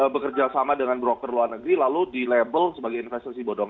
bekerja sama dengan broker luar negeri lalu di label sebagai investasi bodong